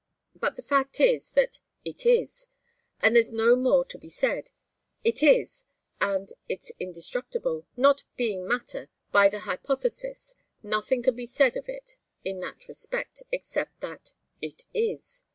But the fact is, that 'it is' and there's no more to be said. 'It is,' and as it's indestructible, not being matter, by the hypothesis, nothing can be said of it in that respect except that 'it is.